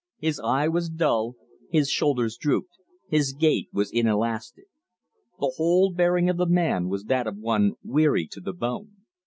His eye was dull, his shoulders drooped, his gait was inelastic. The whole bearing of the man was that of one weary to the bone.